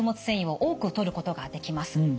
繊維を多くとることができます。